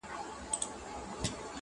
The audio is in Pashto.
پيرې مريد دې يمه پيرې ستا پيري کومه~